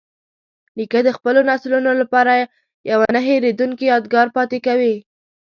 نیکه د خپلو نسلونو لپاره یوه نه هیریدونکې یادګار پاتې کوي.